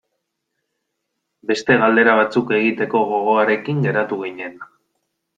Beste galdera batzuk egiteko gogoarekin geratu ginen.